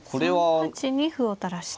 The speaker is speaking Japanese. ３八に歩を垂らして。